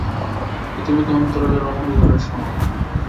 ইতিমধ্যে অন্তরালে রমণীগণের সমাগম।